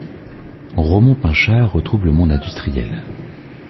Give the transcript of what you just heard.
Raumond Pinchard retrouve le monde industriel.